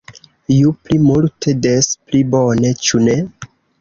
Ju pli multe, des pli bone, ĉu ne?